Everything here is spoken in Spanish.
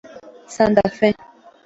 Santa Fe.